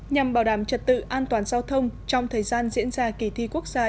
nhằm bảo đảm trật tự an toàn giao thông trong thời gian diễn ra kỳ thi quốc gia